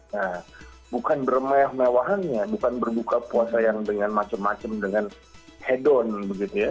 nah bukan bermeh mewahannya bukan berbuka puasa yang dengan macam macam dengan head on begitu ya